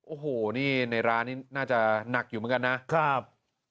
โอ้โหนี่ในร้านนี้น่าจะหนักอยู่เหมือนกันนะครับ